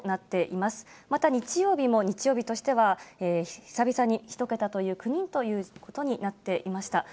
また日曜日も、日曜日としては久々に１桁という、９人ということになっていました。